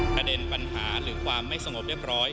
ประเด็นปัญหาหรือความไม่สงบเรียบร้อย